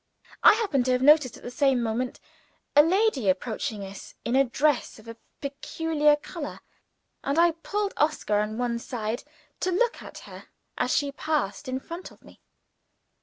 I happened to have noticed, at the same moment, a lady approaching us in a dress of a peculiar color; and I pulled Oscar on one side, to look at her as she passed in front of me.